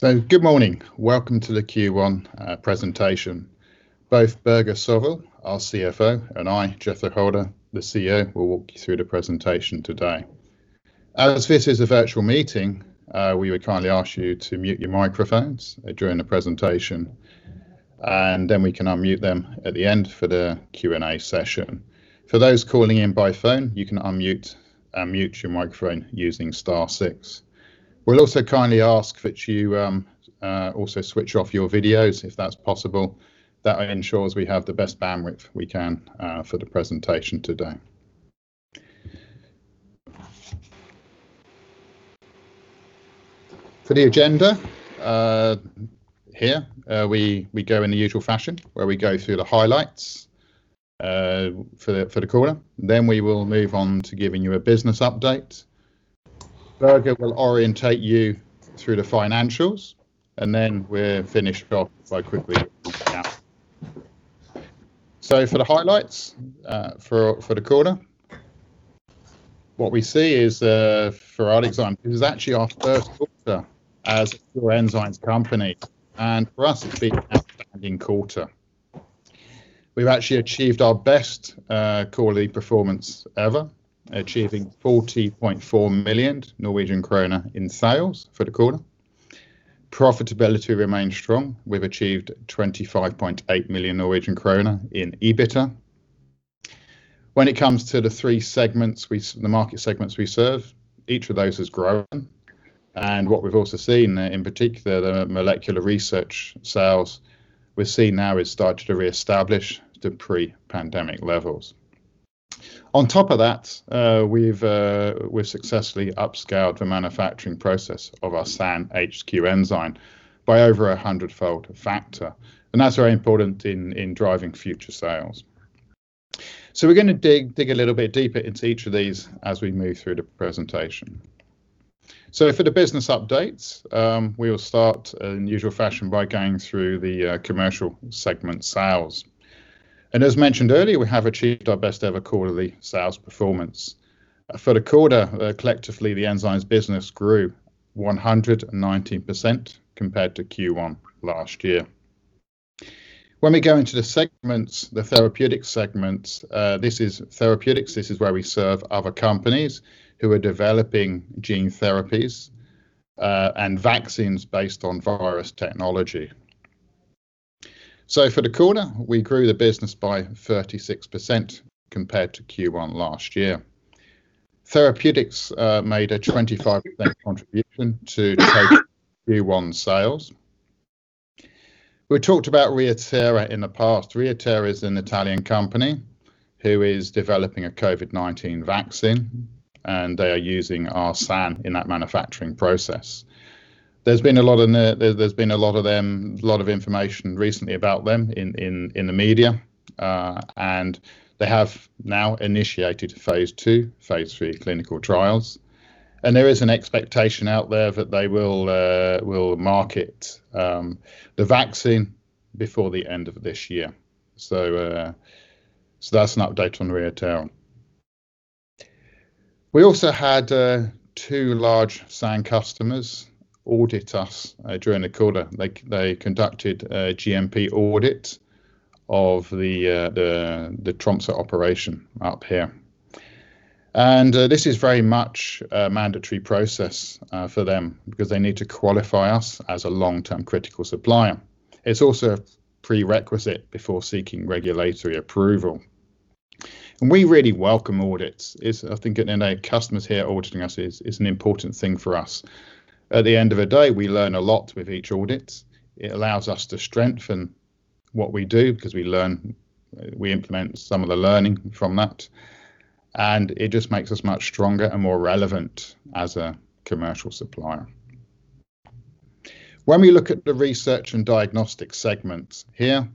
Good morning. Welcome to the Q1 presentation. Both Børge Sørvoll, our CFO, and I, Jethro Holter, the CEO, will walk you through the presentation today. As this is a virtual meeting, we would kindly ask you to mute your microphones during the presentation, and then we can unmute them at the end for the Q&A session. For those calling in by phone, you can unmute and mute your microphone using star six. We'll also kindly ask that you also switch off your videos if that's possible. That ensures we have the best bandwidth we can for the presentation today. For the agenda, here we go in the usual fashion, where we go through the highlights for the quarter, then we will move on to giving you a business update. Børge will orientate you through the financials, and then we'll finish off very quickly. For the highlights for the quarter, what we see is for ArcticZymes, it was actually our first quarter as a enzymes company, and for us it's been an outstanding quarter. We've actually achieved our best quarterly performance ever, achieving 40.4 million Norwegian kroner in sales for the quarter. Profitability remained strong. We've achieved 25.8 million Norwegian kroner in EBITDA. When it comes to the three market segments we serve, each of those has grown. What we've also seen there, in particular, the molecular research sales, we're seeing now it's started to reestablish to pre-pandemic levels. On top of that, we've successfully upscaled the manufacturing process of our SAN HQ enzyme by over a 100-fold factor, that's very important in driving future sales. We're going to dig a little bit deeper into each of these as we move through the presentation. For the business updates, we'll start in usual fashion by going through the commercial segment sales. As mentioned earlier, we have achieved our best ever quarterly sales performance. For the quarter, collectively, the enzymes business grew 119% compared to Q1 last year. When we go into the segments, the Therapeutics segments, this is where we serve other companies who are developing gene therapies and vaccines based on virus technology. For the quarter, we grew the business by 36% compared to Q1 last year. Therapeutics made a 25% contribution to total Q1 sales. We talked about ReiThera in the past. ReiThera is an Italian company who is developing a COVID-19 vaccine, and they are using our SAN in that manufacturing process. There's been a lot of information recently about them in the media. They have now initiated phase II, phase III clinical trials, and there is an expectation out there that they will market the vaccine before the end of this year. That's an update on ReiThera. We also had two large SAN customers audit us during the quarter. They conducted a GMP audit of the Tromsø operation up here. This is very much a mandatory process for them because they need to qualify us as a long-term critical supplier. It's also a prerequisite before seeking regulatory approval. We really welcome audits. I think getting their customers here auditing us is an important thing for us. At the end of the day, we learn a lot with each audit. It allows us to strengthen what we do because we implement some of the learning from that, and it just makes us much stronger and more relevant as a commercial supplier. When we look at the research and diagnostic segments here,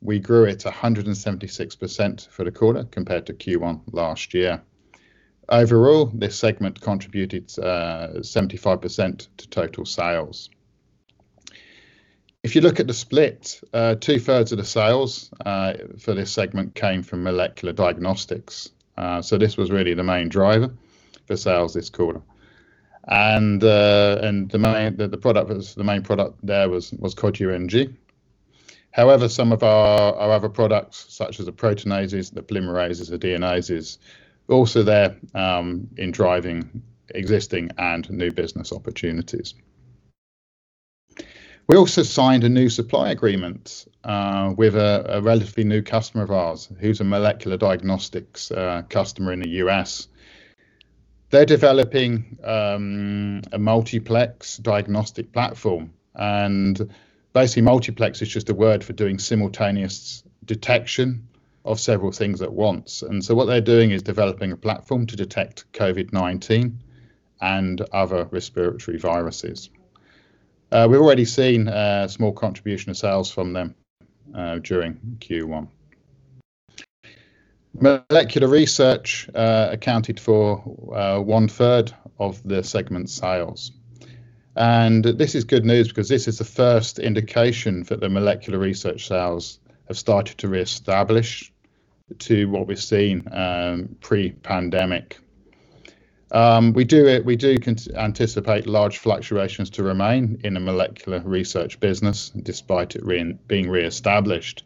we grew it 176% for the quarter compared to Q1 last year. Overall, this segment contributed 75% to total sales. If you look at the split, 2/3 of the sales for this segment came from molecular diagnostics. This was really the main driver for sales this quarter. The main product there was Cod UNG. However, some of our other products, such as the proteinases, the polymerases, the DNases, also there in driving existing and new business opportunities. We also signed a new supply agreement with a relatively new customer of ours who's a molecular diagnostics customer in the U.S. They're developing a multiplex diagnostic platform. Basically multiplex is just a word for doing simultaneous detection of several things at once. What they're doing is developing a platform to detect COVID-19 and other respiratory viruses. We've already seen a small contribution of sales from them during Q1. Molecular research accounted for 1/3 of the segment sales. This is good news because this is the first indication that the molecular research sales have started to reestablish to what we've seen pre-pandemic. We do anticipate large fluctuations to remain in the molecular research business, despite it being reestablished.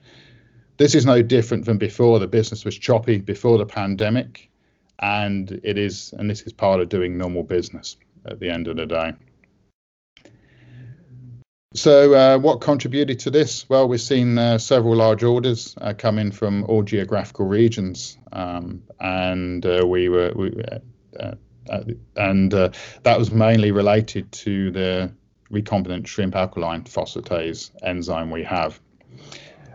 This is no different than before. The business was choppy before the pandemic, and this is part of doing normal business at the end of the day. What contributed to this? Well, we've seen several large orders come in from all geographical regions, that was mainly related to the recombinant Shrimp Alkaline Phosphatase enzyme we have.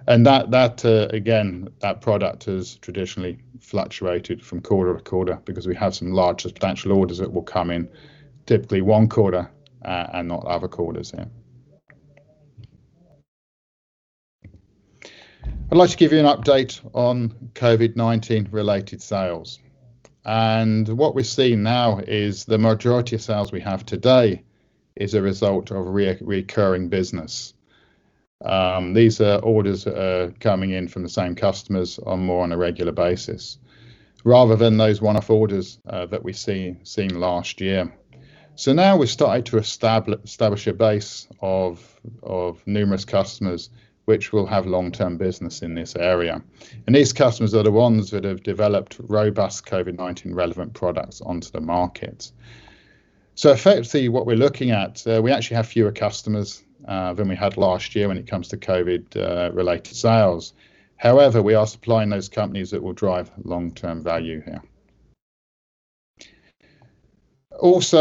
Again, that product has traditionally fluctuated from quarter-to-quarter because we have some large potential orders that will come in typically one quarter and not other quarters here. I'd like to give you an update on COVID-19 related sales. What we're seeing now is the majority of sales we have today is a result of reoccurring business. These orders are coming in from the same customers on more on a regular basis, rather than those one-off orders that we've seen last year. Now we're starting to establish a base of numerous customers which will have long-term business in this area. These customers are the ones that have developed robust COVID-19 relevant products onto the market. Effectively what we're looking at, we actually have fewer customers than we had last year when it comes to COVID related sales. We are supplying those companies that will drive long-term value here. Just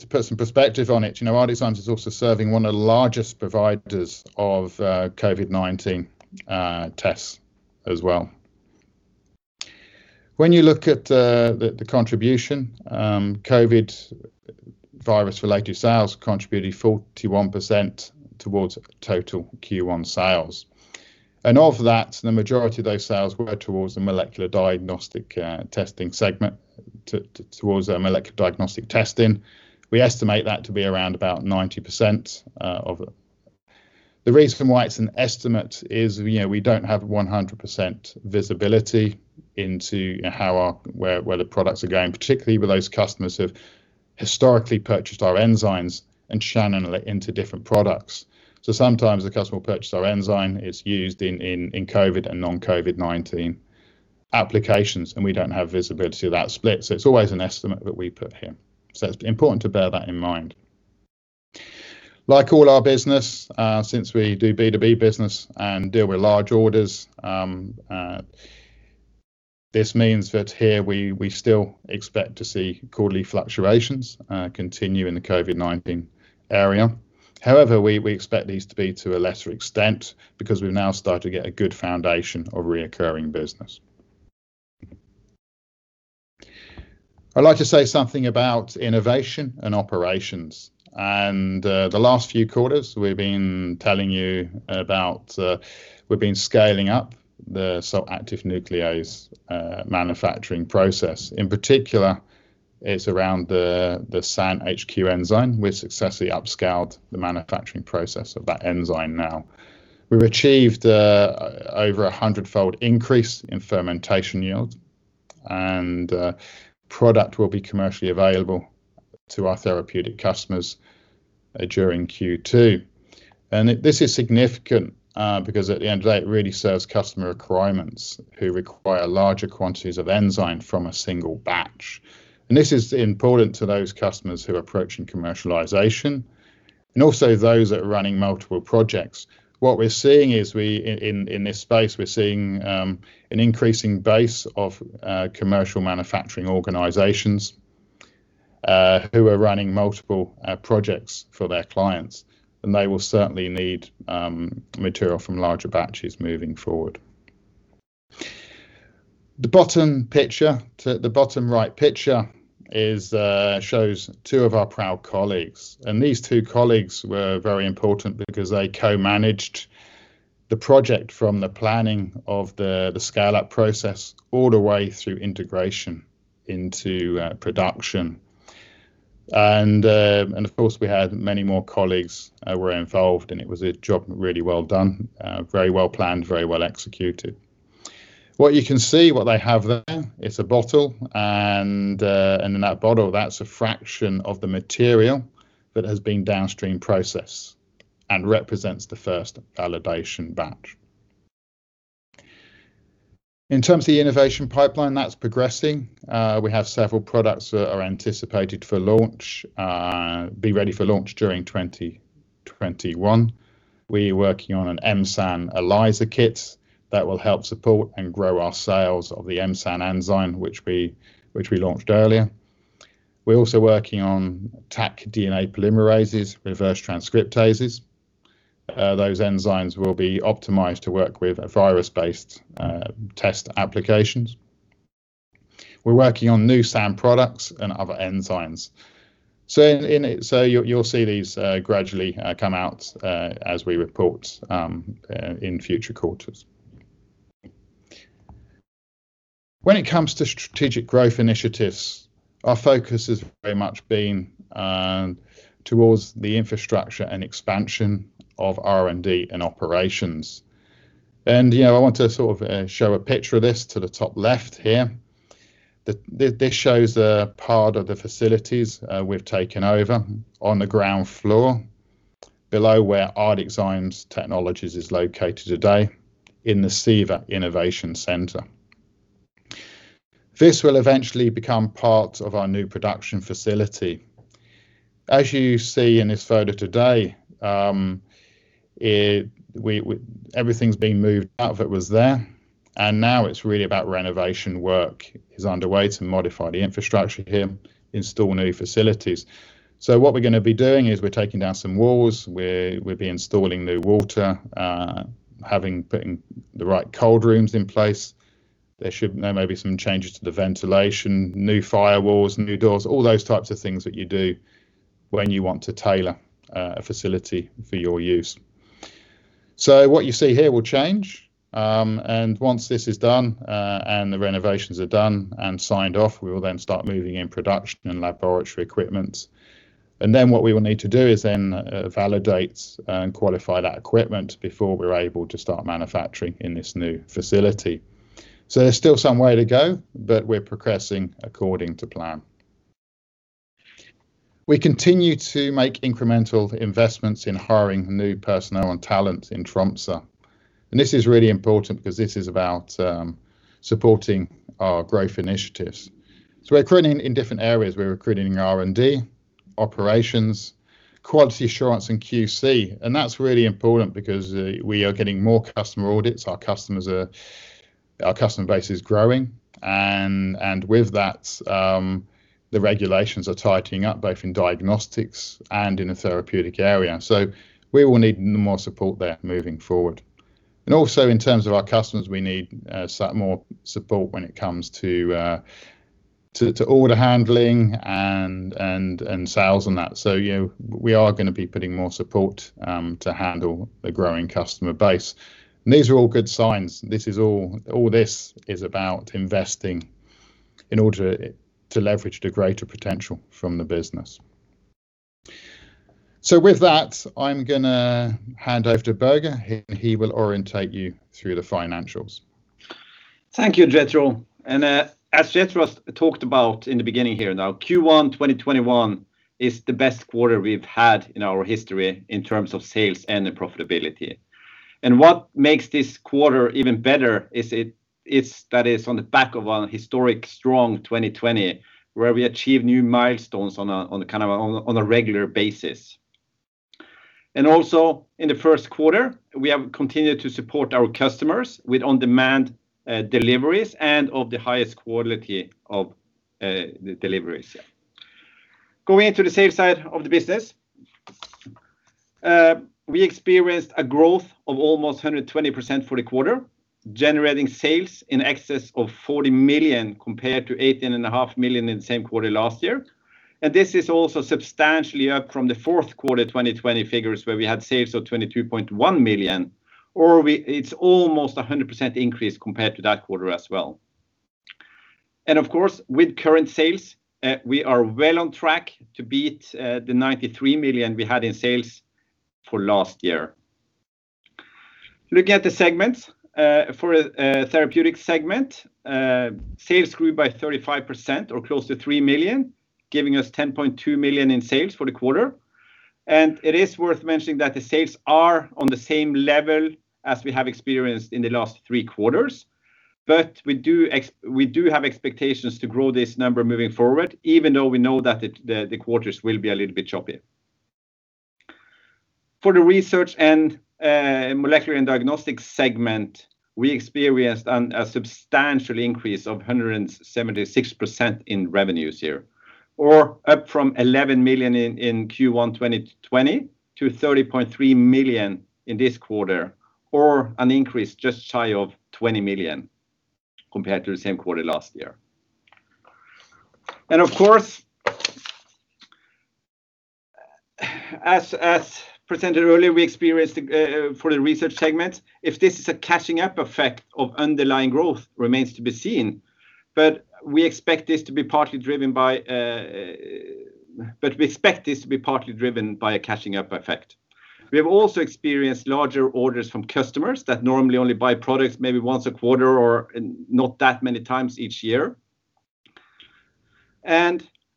to put some perspective on it, ArcticZymes is also serving one of the largest providers of COVID-19 tests as well. When you look at the contribution, COVID virus related sales contributed 41% towards total Q1 sales. Of that, the majority of those sales were towards the molecular diagnostic testing segment, towards molecular diagnostic testing. We estimate that to be around about 90% of it. The reason why it's an estimate is we don't have 100% visibility into where the products are going, particularly with those customers who have historically purchased our enzymes and channel it into different products. Sometimes the customer will purchase our enzyme, it's used in COVID and non-COVID-19 applications, and we don't have visibility of that split, so it's always an estimate that we put here. It's important to bear that in mind. Like all our business, since we do B2B business and deal with large orders, this means that here we still expect to see quarterly fluctuations continue in the COVID-19 area. However, we expect these to be to a lesser extent because we've now started to get a good foundation of reoccurring business. I'd like to say something about innovation and operations. The last few quarters we've been telling you about we've been scaling up the Salt Active Nuclease manufacturing process. In particular, it's around the SAN HQ enzyme. We successfully upscaled the manufacturing process of that enzyme now. We've achieved over 100-fold increase in fermentation yield. Product will be commercially available to our therapeutic customers during Q2. This is significant, because at the end of the day, it really serves customer requirements who require larger quantities of enzyme from a single batch. This is important to those customers who are approaching commercialization and also those that are running multiple projects. What we're seeing is, in this space, we're seeing an increasing base of commercial manufacturing organizations who are running multiple projects for their clients, and they will certainly need material from larger batches moving forward. The bottom right picture shows two of our proud colleagues, and these two colleagues were very important because they co-managed the project from the planning of the scale-up process all the way through integration into production. Of course, we had many more colleagues were involved, and it was a job really well done, very well planned, very well executed. What you can see, what they have there is a bottle, and in that bottle, that's a fraction of the material that has been downstream processed and represents the first validation batch. In terms of the innovation pipeline, that's progressing. We have several products that are anticipated for launch, be ready for launch during 2021. We're working on an M-SAN HQ ELISA Kit that will help support and grow our sales of the M-SAN HQ enzyme, which we launched earlier. We're also working on Taq DNA polymerases, reverse transcriptases. Those enzymes will be optimized to work with virus-based test applications. We're working on new SAN products and other enzymes. You'll see these gradually come out as we report in future quarters. When it comes to strategic growth initiatives, our focus has very much been towards the infrastructure and expansion of R&D and operations. I want to show a picture of this to the top left here. This shows a part of the facilities we've taken over on the ground floor below where ArcticZymes Technologies is located today in the SIVA Innovation Centre. This will eventually become part of our new production facility. As you see in this photo today, everything's been moved out that was there, and now it's really about renovation work is underway to modify the infrastructure here, install new facilities. What we're going to be doing is we're taking down some walls. We'll be installing new water, putting the right cold rooms in place. There may be some changes to the ventilation, new firewalls, new doors, all those types of things that you do when you want to tailor a facility for your use. What you see here will change. Once this is done, and the renovations are done and signed off, we will then start moving in production and laboratory equipment. What we will need to do is then validate and qualify that equipment before we're able to start manufacturing in this new facility. There's still some way to go, but we're progressing according to plan. We continue to make incremental investments in hiring new personnel and talent in Tromsø. This is really important because this is about supporting our growth initiatives. We're recruiting in different areas. We're recruiting in R&D, operations, quality assurance, and QC, and that's really important because we are getting more customer audits. Our customer base is growing. With that, the regulations are tightening up, both in diagnostics and in a therapeutic area. We will need more support there moving forward. Also, in terms of our customers, we need more support when it comes to order handling and sales and that. We are going to be putting more support to handle the growing customer base. These are all good signs. All this is about investing in order to leverage the greater potential from the business. With that, I'm going to hand over to Børge. He will orientate you through the financials. Thank you, Jethro. As Jethro talked about in the beginning here now, Q1 2021 is the best quarter we've had in our history in terms of sales and profitability. What makes this quarter even better is that it's on the back of a historic strong 2020, where we achieved new milestones on a regular basis. Also, in the first quarter, we have continued to support our customers with on-demand deliveries and of the highest quality of deliveries. Going into the sales side of the business, we experienced a growth of almost 120% for the quarter, generating sales in excess of 40 million compared to 18.5 million in the same quarter last year. This is also substantially up from the fourth quarter 2020 figures where we had sales of 22.1 million, or it's almost 100% increase compared to that quarter as well. Of course, with current sales, we are well on track to beat the 93 million we had in sales for last year. Looking at the segments. For Therapeutics segment, sales grew by 35% or close to 3 million, giving us 10.2 million in sales for the quarter. It is worth mentioning that the sales are on the same level as we have experienced in the last three quarters. We do have expectations to grow this number moving forward, even though we know that the quarters will be a little bit choppy. For the Research and Molecular and Diagnostics segment, we experienced a substantial increase of 176% in revenues here, or up from 11 million in Q1 2020 to 30.3 million in this quarter, or an increase just shy of 20 million compared to the same quarter last year. Of course, as presented earlier, we experienced for the research segment, if this is a catching up effect of underlying growth remains to be seen. We expect this to be partly driven by a catching up effect. We have also experienced larger orders from customers that normally only buy products maybe once a quarter or not that many times each year.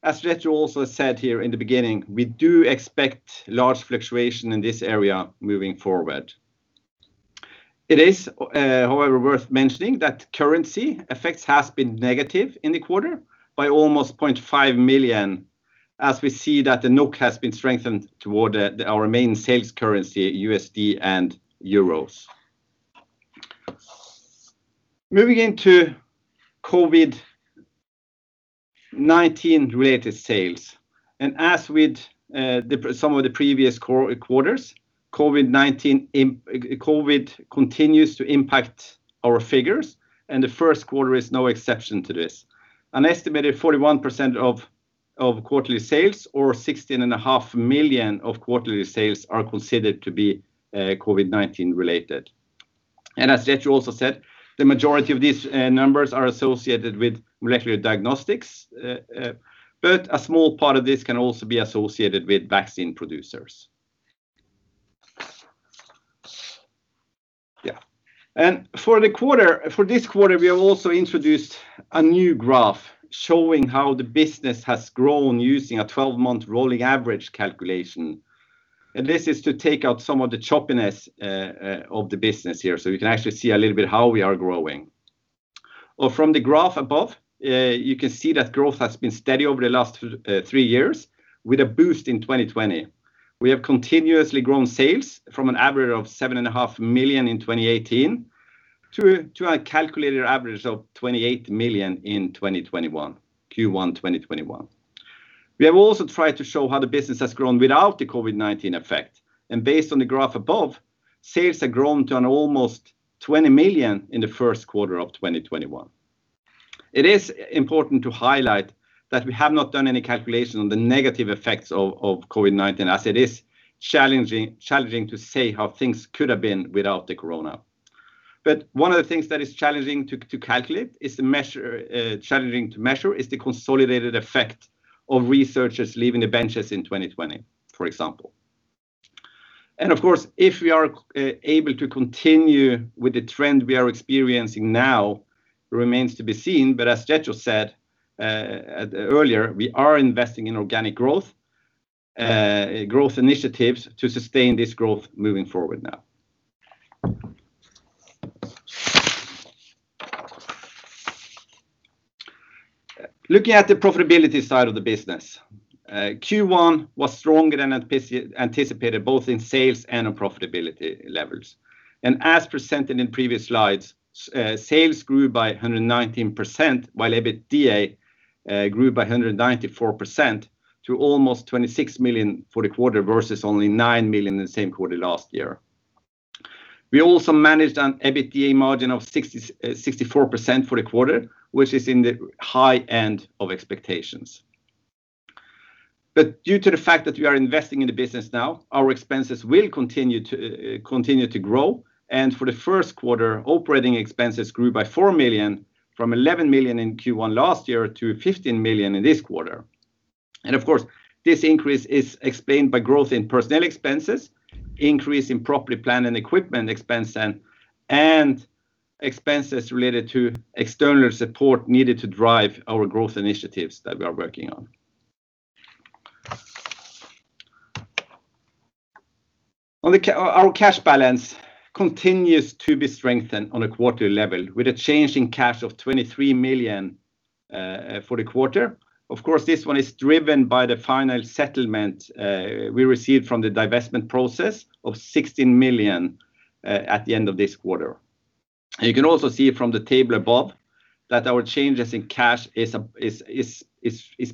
As Jethro also said here in the beginning, we do expect large fluctuation in this area moving forward. It is, however, worth mentioning that currency effects has been negative in the quarter by almost 0.5 million, as we see that the NOK has been strengthened toward our main sales currency, USD and EUR. Moving into COVID-19 related sales. As with some of the previous quarters, COVID continues to impact our figures, and the first quarter is no exception to this. An estimated 41% of quarterly sales or 16.5 million of quarterly sales are considered to be COVID-19 related. As Jethro also said, the majority of these numbers are associated with molecular diagnostics, but a small part of this can also be associated with vaccine producers. For this quarter, we have also introduced a new graph showing how the business has grown using a 12-month rolling average calculation. This is to take out some of the choppiness of the business here, so we can actually see a little bit how we are growing. From the graph above, you can see that growth has been steady over the last three years with a boost in 2020. We have continuously grown sales from an average of 7.5 million in 2018 to a calculated average of 28 million in Q1 2021. We have also tried to show how the business has grown without the COVID-19 effect. Based on the graph above, sales have grown to an almost 20 million in the first quarter of 2021. It is important to highlight that we have not done any calculation on the negative effects of COVID-19, as it is challenging to say how things could have been without the COVID-19. One of the things that is challenging to measure is the consolidated effect of researchers leaving the benches in 2020, for example. Of course, if we are able to continue with the trend we are experiencing now remains to be seen, but as Jethro said earlier, we are investing in organic growth initiatives to sustain this growth moving forward now. Looking at the profitability side of the business. Q1 was stronger than anticipated, both in sales and on profitability levels. As presented in previous slides, sales grew by 119%, while EBITDA grew by 194% to almost 26 million for the quarter versus only 9 million in the same quarter last year. We also managed an EBITDA margin of 64% for the quarter, which is in the high end of expectations. Due to the fact that we are investing in the business now, our expenses will continue to grow, and for the first quarter, operating expenses grew by 4 million from 11 million in Q1 last year to 15 million in this quarter. Of course, this increase is explained by growth in personnel expenses, increase in property plant and equipment expense, and expenses related to external support needed to drive our growth initiatives that we are working on. Our cash balance continues to be strengthened on a quarterly level with a change in cash of 23 million for the quarter. Of course, this one is driven by the final settlement we received from the divestment process of 16 million at the end of this quarter. You can also see from the table above that our changes in cash is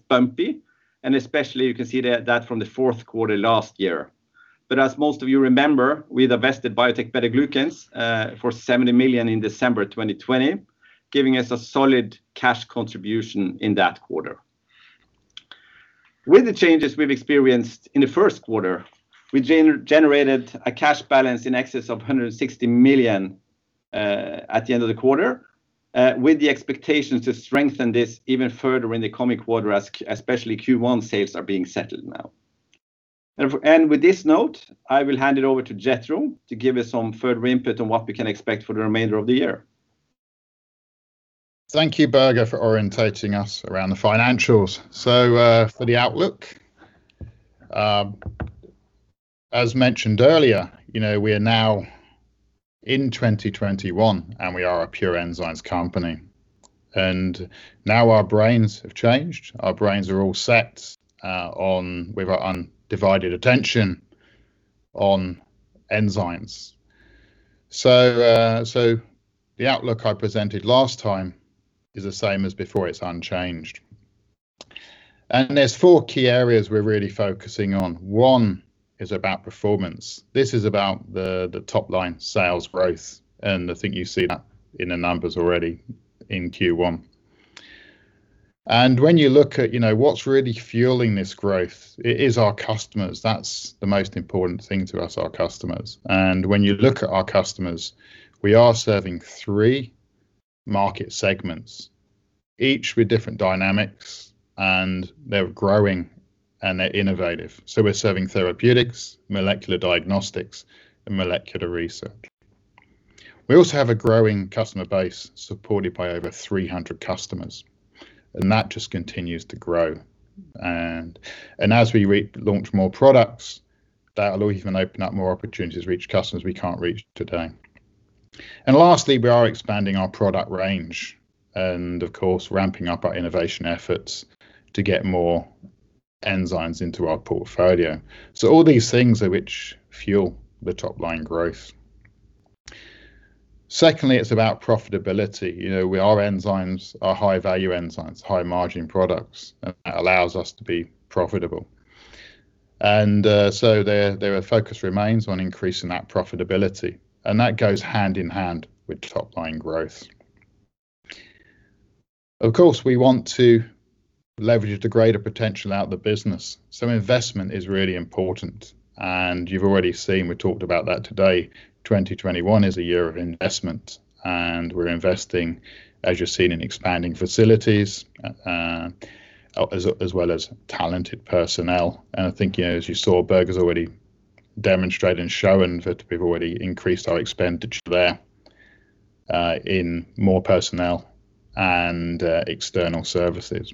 bumpy, and especially you can see that from the fourth quarter last year. As most of you remember, we divested Biotec BetaGlucans for 70 million in December 2020, giving us a solid cash contribution in that quarter. With the changes we've experienced in the first quarter, we generated a cash balance in excess of 160 million at the end of the quarter, with the expectations to strengthen this even further in the coming quarter, especially Q1 sales are being settled now. With this note, I will hand it over to Jethro to give you some further input on what we can expect for the remainder of the year. Thank you, Børge, for orienting us around the financials. For the outlook, as mentioned earlier, we are now in 2021, we are a pure enzymes company. Now our brains have changed. Our brains are all set with our undivided attention on enzymes. The outlook I presented last time is the same as before. It's unchanged. There's four key areas we're really focusing on. One is about performance. This is about the top-line sales growth, I think you see that in the numbers already in Q1. When you look at what's really fueling this growth, it is our customers. That's the most important thing to us, our customers. When you look at our customers, we are serving three market segments, each with different dynamics, they're growing, they're innovative. We're serving therapeutics, molecular diagnostics, and molecular research. We also have a growing customer base supported by over 300 customers, and that just continues to grow. As we launch more products, that'll even open up more opportunities to reach customers we can't reach today. Lastly, we are expanding our product range and, of course, ramping up our innovation efforts to get more enzymes into our portfolio. All these things are which fuel the top-line growth. Secondly, it's about profitability. Our enzymes are high-value enzymes, high-margin products. That allows us to be profitable. Their focus remains on increasing that profitability, and that goes hand in hand with top-line growth. Of course, we want to leverage the greater potential out of the business, so investment is really important. You've already seen, we talked about that today, 2021 is a year of investment, we're investing, as you've seen, in expanding facilities, as well as talented personnel. I think as you saw, Børge has already demonstrated and shown that we've already increased our expenditure there in more personnel and external services.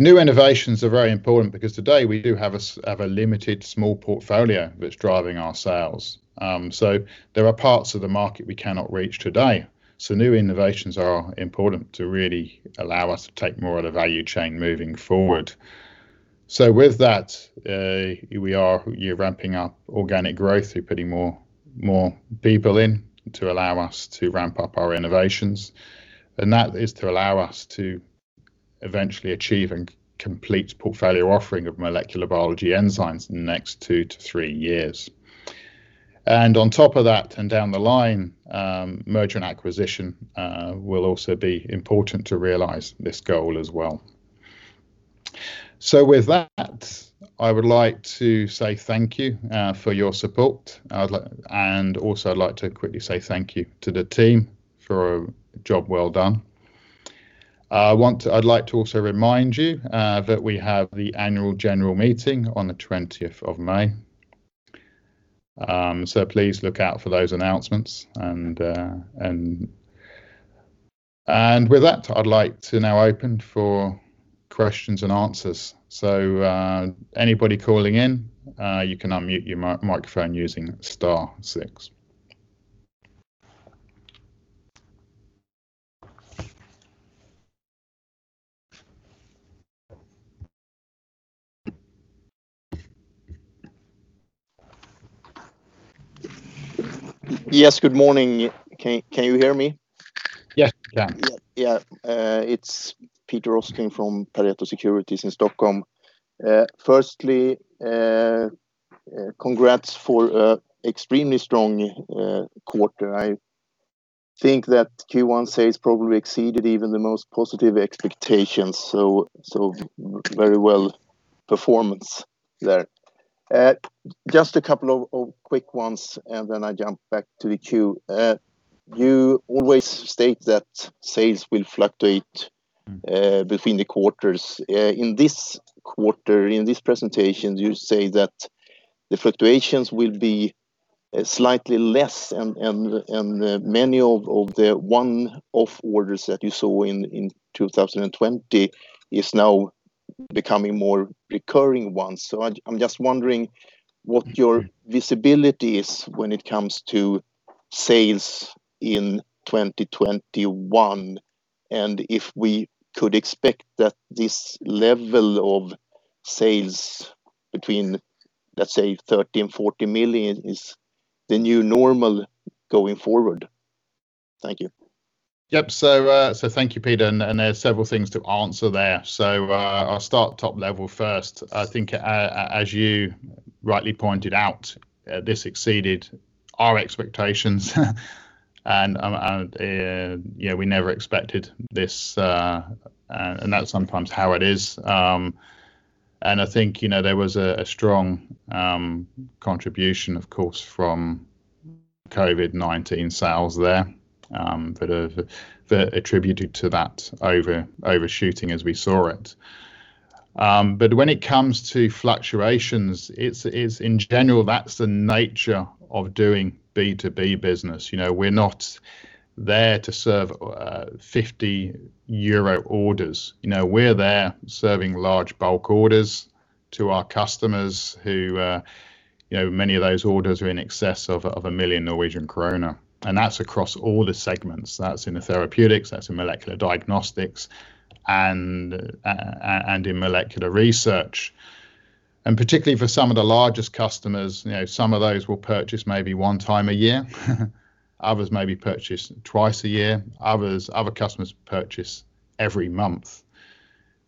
New innovations are very important because today we do have a limited small portfolio that's driving our sales. There are parts of the market we cannot reach today. New innovations are important to really allow us to take more of the value chain moving forward. With that, we are ramping up organic growth through putting more people in to allow us to ramp up our innovations. That is to allow us to eventually achieve a complete portfolio offering of molecular biology enzymes in the next two to three years. On top of that, and down the line, M&A will also be important to realize this goal as well. With that, I would like to say thank you for your support. Also, I'd like to quickly say thank you to the team for a job well done. I'd like to also remind you that we have the annual general meeting on the 20th of May. Please look out for those announcements. With that, I'd like to now open for questions and answers. Anybody calling in, you can unmute your microphone using star six. Yes, good morning. Can you hear me? Yes, we can. Yeah. It's Peter Östling from Pareto Securities in Stockholm. Firstly, congrats for extremely strong quarter. I think that Q1 sales probably exceeded even the most positive expectations. Very well performance there. Just a couple of quick ones, I jump back to the queue. You always state that sales will fluctuate between the quarters. In this quarter, in this presentation, you say that the fluctuations will be slightly less, many of the one-off orders that you saw in 2020 is now becoming more recurring ones. I'm just wondering what your visibility is when it comes to sales in 2021, if we could expect that this level of sales between, let's say 30 million and 40 million, is the new normal going forward. Thank you. Yep. Thank you, Peter, and there's several things to answer there. I'll start top level first. I think, as you rightly pointed out, this exceeded our expectations and we never expected this. That's sometimes how it is. I think there was a strong contribution, of course, from COVID-19 sales there, that attributed to that overshooting as we saw it. When it comes to fluctuations, in general, that's the nature of doing B2B business. We're not there to serve 50 euro orders. We're there serving large bulk orders to our customers who many of those orders are in excess of 1 million Norwegian krone. That's across all the segments. That's in the therapeutics, that's in molecular diagnostics, and in molecular research. Particularly for some of the largest customers, some of those will purchase maybe one time a year, others maybe purchase twice a year, other customers purchase every month.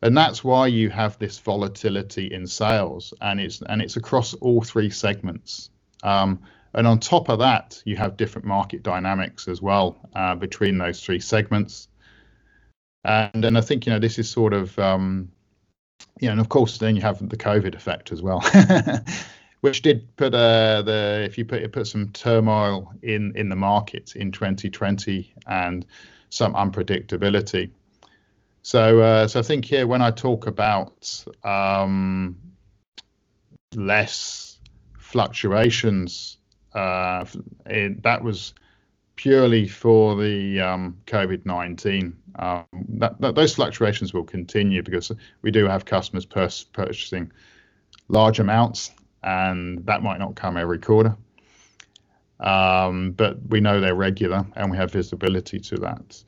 That's why you have this volatility in sales, and it's across all three segments. On top of that, you have different market dynamics as well between those three segments. I think you have the COVID effect as well which did put some turmoil in the markets in 2020 and some unpredictability. I think here when I talk about less fluctuations, that was purely for the COVID-19. Those fluctuations will continue because we do have customers purchasing large amounts, and that might not come every quarter. We know they're regular, and we have visibility to that.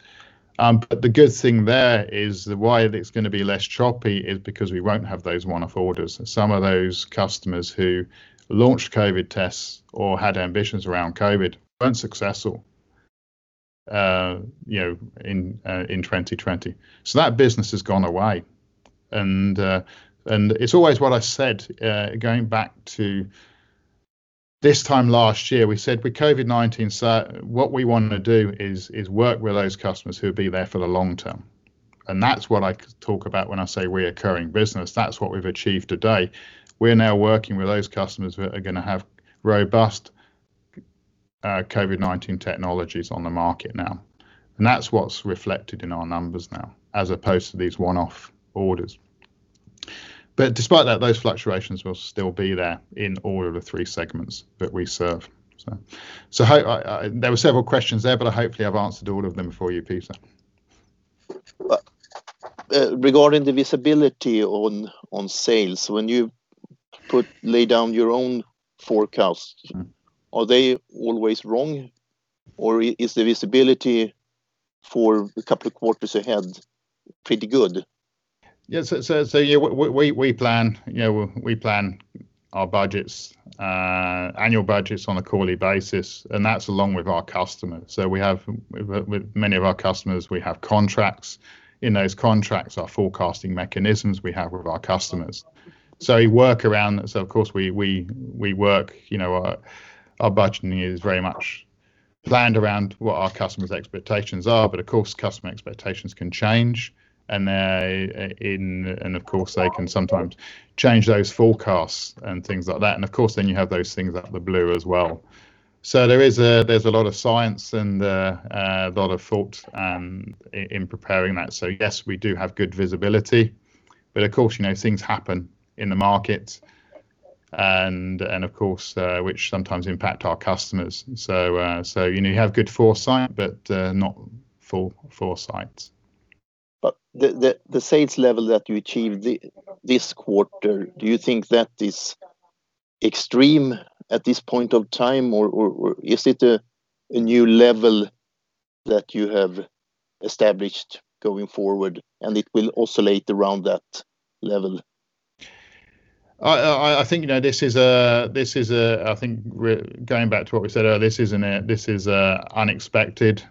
The good thing there is why it's going to be less choppy is because we won't have those one-off orders. Some of those customers who launched COVID tests or had ambitions around COVID weren't successful in 2020. That business has gone away. It's always what I said, going back to this time last year, we said with COVID-19, what we want to do is work with those customers who will be there for the long term. That's what I talk about when I say reoccurring business. That's what we've achieved today. We're now working with those customers that are going to have robust COVID-19 technologies on the market now. That's what's reflected in our numbers now, as opposed to these one-off orders. Despite that, those fluctuations will still be there in all of the three segments that we serve. There were several questions there, but hopefully I've answered all of them for you, Peter. Regarding the visibility on sales, when you lay down your own forecasts, are they always wrong? Is the visibility for a couple of quarters ahead pretty good? Yes. We plan our annual budgets on a quarterly basis, and that's along with our customers. With many of our customers, we have contracts. In those contracts are forecasting mechanisms we have with our customers. Of course our budgeting is very much planned around what our customers' expectations are. Of course, customer expectations can change, and of course they can sometimes change those forecasts and things like that. Of course, then you have those things out of the blue as well. There's a lot of science and a lot of thought in preparing that. Yes, we do have good visibility, but of course, things happen in the market, which sometimes impact our customers. You have good foresight, but not full foresight. The sales level that you achieved this quarter, do you think that is extreme at this point of time, or is it a new level that you have established going forward and it will oscillate around that level? I think going back to what we said earlier, this is unexpected,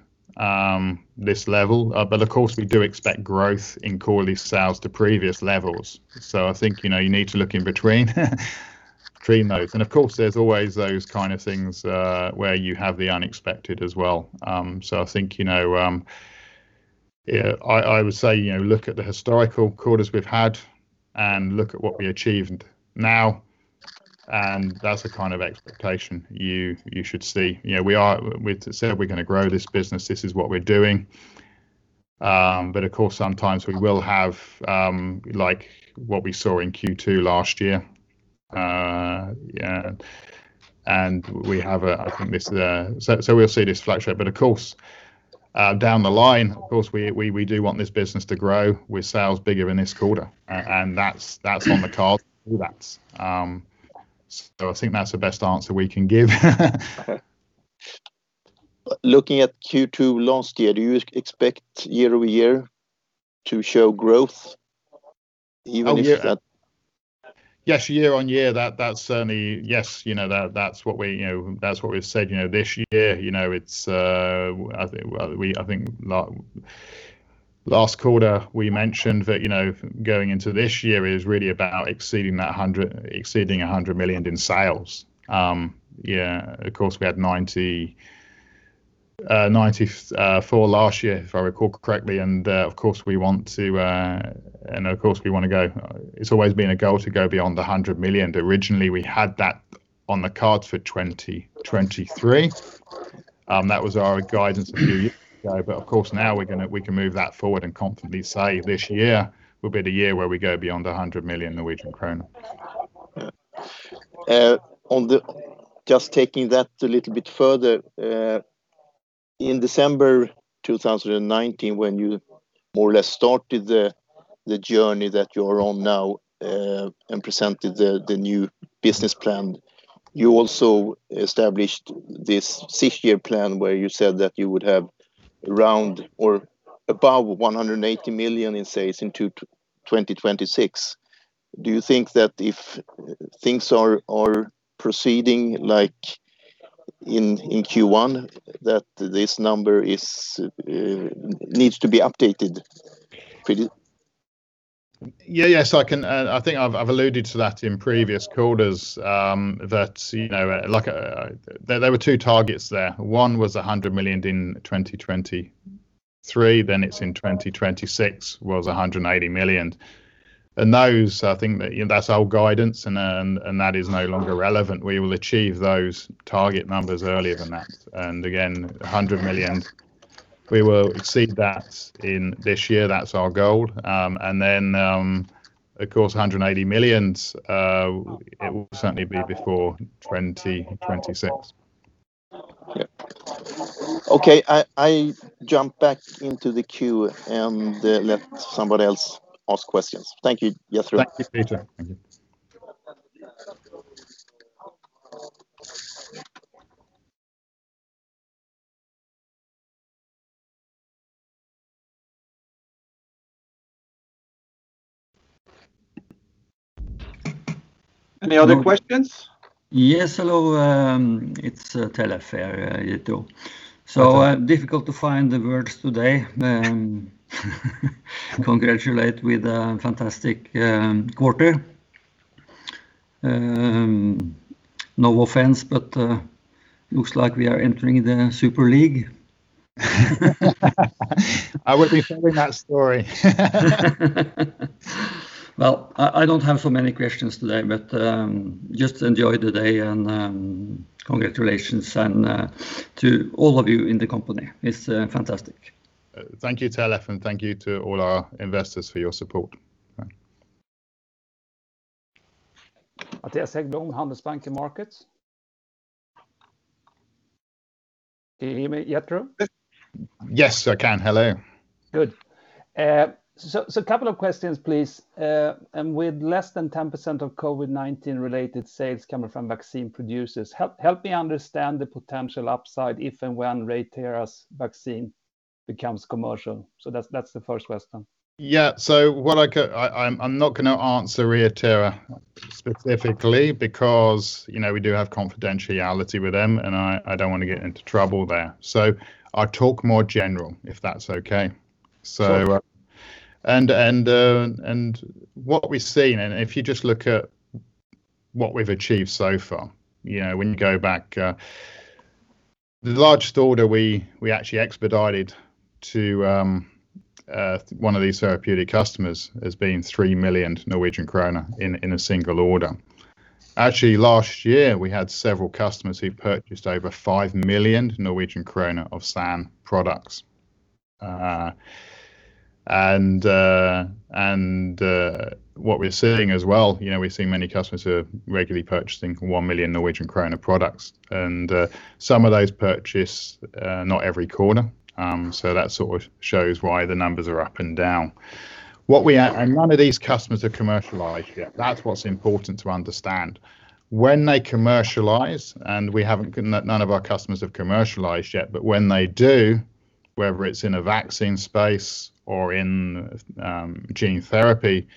this level. Of course, we do expect growth in quarterly sales to previous levels. I think you need to look in between those. Of course, there's always those kind of things where you have the unexpected as well. I think I would say look at the historical quarters we've had and look at what we achieved now, and that's the kind of expectation you should see. We said we're going to grow this business. This is what we're doing. Of course, sometimes we will have what we saw in Q2 last year. We'll see this fluctuate. Of course, down the line, we do want this business to grow with sales bigger than this quarter. That's on the cards for that. I think that's the best answer we can give. Looking at Q2 last year, do you expect year-over-year to show growth, even if it's flat? Yes, year-over-year. Yes, that's what we've said. Last quarter, we mentioned that going into this year is really about exceeding 100 million in sales. Of course, we had 94 million last year, if I recall correctly. Of course, it's always been a goal to go beyond the 100 million. Originally, we had that on the cards for 2023. That was our guidance a few years ago. Of course, now we can move that forward and confidently say this year will be the year where we go beyond the 100 million Norwegian kroner. Just taking that a little bit further, in December 2019, when you more or less started the journey that you are on now and presented the new business plan, you also established this six-year plan where you said that you would have around or above 180 million in sales in 2026. Do you think that if things are proceeding like in Q1, that this number needs to be updated? Yes. I think I've alluded to that in previous quarters. There were two targets there. One was 100 million in 2023, then it's in 2026 was 180 million. Those, I think that's our guidance, and that is no longer relevant. We will achieve those target numbers earlier than that. Again, 100 million, we will exceed that this year. That's our goal. Then of course, 180 million, it will certainly be before 2026. Yeah. Okay, I jump back into the queue and let somebody else ask questions. Thank you, Jethro. Thank you, Peter. Thank you. Any other questions? Yes. Hello, it's Tellef, Jethro. Hi, Telef. Difficult to find the words today. Congratulate with a fantastic quarter. No offense, looks like we are entering the Super League. I will be selling that story. Well, I don't have so many questions today, but just enjoy the day and congratulations to all of you in the company. It's fantastic. Thank you, Tellef, and thank you to all our investors for your support. Mattias Häggblom, Handelsbanken Markets. Can you hear me, Jethro? Yes, I can. Hello. Good. A couple of questions, please. With less than 10% of COVID-19 related sales coming from vaccine producers, help me understand the potential upside if and when ReiThera's vaccine becomes commercial. That's the first question. Yeah. I'm not going to answer ReiThera specifically because we do have confidentiality with them, and I don't want to get into trouble there. I'll talk more general, if that's okay. Sure. What we've seen, and if you just look at what we've achieved so far, when you go back, the largest order we actually expedited to one of these therapeutic customers as being 3 million Norwegian krone in a single order. Actually, last year, we had several customers who purchased over 5 million Norwegian krone of SAN products. What we're seeing as well, we're seeing many customers who are regularly purchasing 1 million Norwegian krone of products, and some of those purchase not every quarter. That sort of shows why the numbers are up and down. None of these customers have commercialized yet. That's what's important to understand. When they commercialize, none of our customers have commercialized yet, when they do, whether it's in a vaccine space or in gene therapy,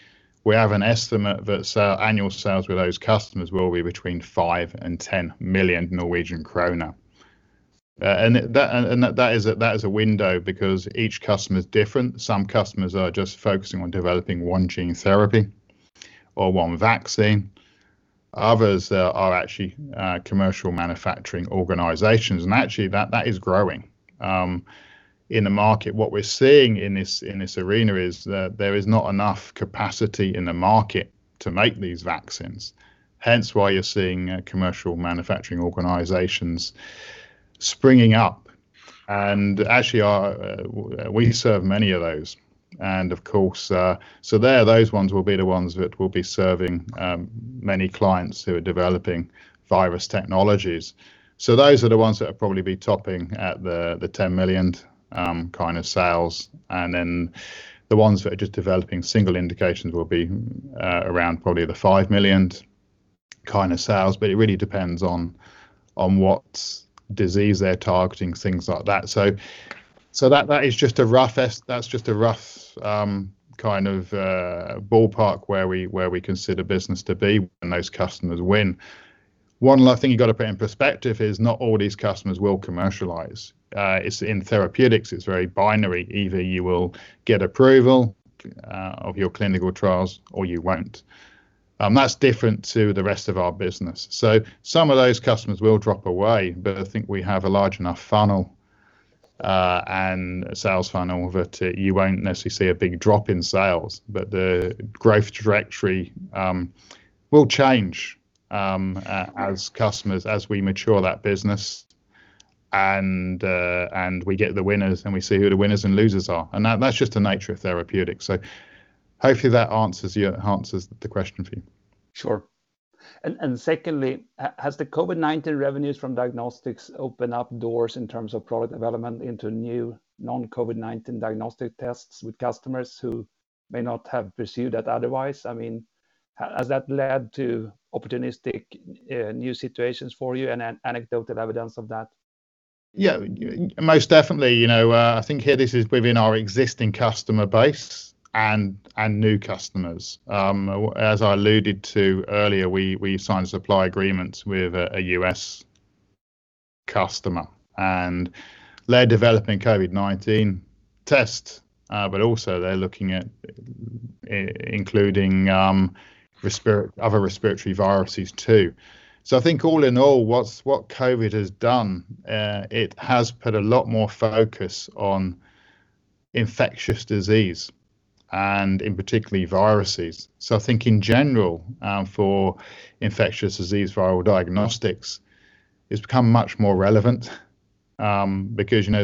we have an estimate that annual sales with those customers will be between 5 million and 10 million Norwegian krone. That is a window because each customer is different. Some customers are just focusing on developing one gene therapy or one vaccine. Others are actually commercial manufacturing organizations, actually, that is growing in the market. What we're seeing in this arena is that there is not enough capacity in the market to make these vaccines, hence why you're seeing commercial manufacturing organizations springing up. Actually, we serve many of those. Of course, there, those ones will be the ones that will be serving many clients who are developing virus technologies. Those are the ones that will probably be topping at the 10 million kind of sales. The ones that are just developing single indications will be around probably the 5 million kind of sales, but it really depends on what disease they are targeting, things like that. That is just a rough kind of ballpark where we consider business to be when those customers win. One last thing you've got to put in perspective is not all these customers will commercialize. In therapeutics, it's very binary. Either you will get approval of your clinical trials or you won't, and that's different to the rest of our business. Some of those customers will drop away, but I think we have a large enough funnel and a sales funnel that you won't necessarily see a big drop in sales. The growth trajectory will change as we mature that business and we get the winners, and we see who the winners and losers are. That's just the nature of therapeutics. Hopefully that answers the question for you. Sure. Secondly, has the COVID-19 revenues from diagnostics opened up doors in terms of product development into new non-COVID-19 diagnostic tests with customers who may not have pursued that otherwise? Has that led to opportunistic new situations for you and anecdotal evidence of that? Yeah, most definitely. I think here, this is within our existing customer base and new customers. As I alluded to earlier, we signed supply agreements with a U.S. customer, and they're developing COVID-19 tests, but also they're looking at including other respiratory viruses, too. I think all in all, what COVID has done, it has put a lot more focus on infectious disease and in particular, viruses. I think in general, for infectious disease viral diagnostics, it's become much more relevant because I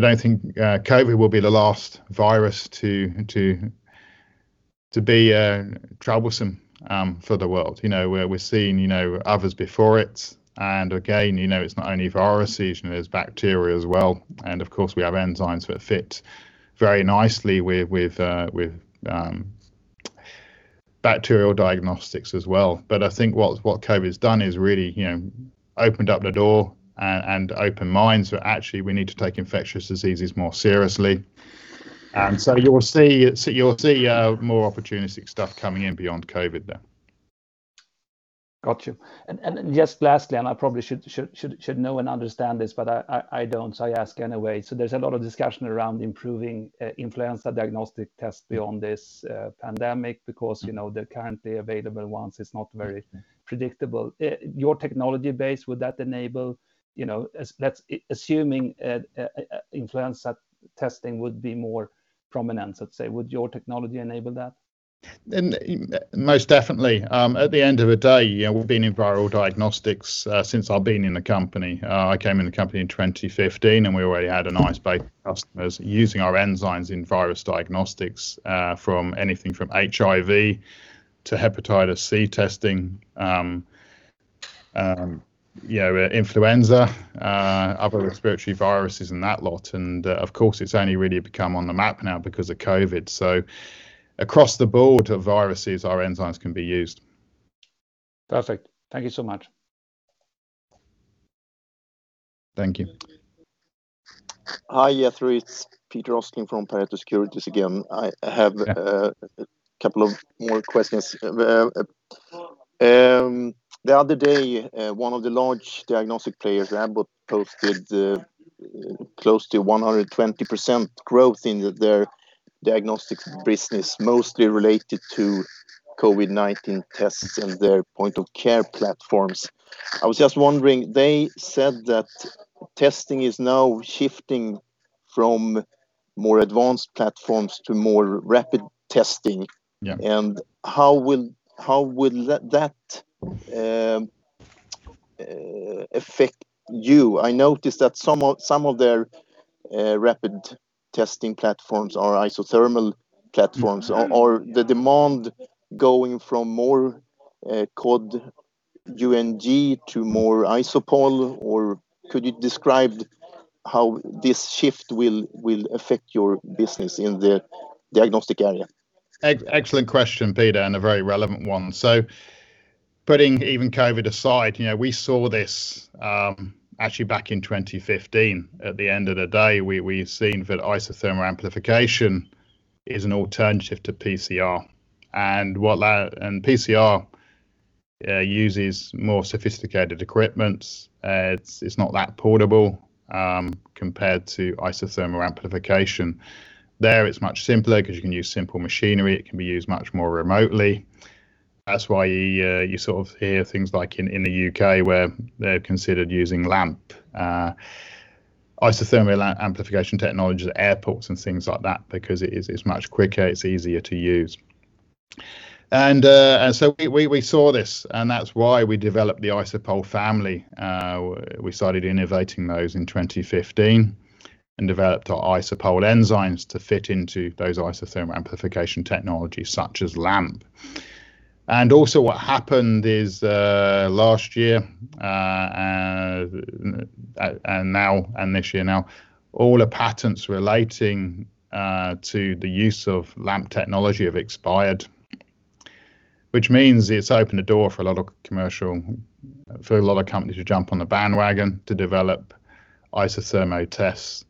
don't think COVID will be the last virus to be troublesome for the world. We're seeing others before it, and again, it's not only viruses, there's bacteria as well, and of course, we have enzymes that fit very nicely with bacterial diagnostics as well. I think what COVID's done is really opened up the door and opened minds where actually we need to take infectious diseases more seriously. You will see more opportunistic stuff coming in beyond COVID there. Got you. Just lastly, I probably should know and understand this, but I don't, so I ask anyway. There's a lot of discussion around improving influenza diagnostic tests beyond this pandemic because the currently available ones, it's not very predictable. Your technology base, would that enable, assuming influenza testing would be more prominent, let's say? Would your technology enable that? Most definitely. At the end of the day, we've been in viral diagnostics since I've been in the company. I came in the company in 2015, and we already had a nice base of customers using our enzymes in virus diagnostics, from anything from HIV to hepatitis C testing, influenza, other respiratory viruses, and that lot. Of course, it's only really become on the map now because of COVID. Across the board of viruses, our enzymes can be used. Perfect. Thank you so much. Thank you. Hi, Jethro. It's Peter Östling from Pareto Securities again. I have a couple of more questions. The other day, one of the large diagnostic players, Abbott, posted close to 120% growth in their diagnostics business, mostly related to COVID-19 tests and their point-of-care platforms. I was just wondering, they said that testing is now shifting from more advanced platforms to more rapid testing. Yeah. How will that affect you? I noticed that some of their rapid testing platforms are isothermal platforms. Are the demand going from more Cod UNG to more IsoPol, or could you describe how this shift will affect your business in the diagnostic area? Excellent question, Peter, and a very relevant one. Putting even COVID aside, we saw this actually back in 2015. At the end of the day, we've seen that isothermal amplification is an alternative to PCR. PCR uses more sophisticated equipment. It's not that portable compared to isothermal amplification. There it's much simpler because you can use simple machinery. It can be used much more remotely. That's why you hear things like in the U.K. where they've considered using LAMP, isothermal amplification technology at airports and things like that because it is much quicker. It's easier to use. We saw this, and that's why we developed the ISOPOL family. We started innovating those in 2015 and developed our ISOPOL enzymes to fit into those isothermal amplification technologies such as LAMP. Also what happened is last year and this year now, all the patents relating to the use of LAMP technology have expired, which means it's opened the door for a lot of companies to jump on the bandwagon to develop isothermal tests.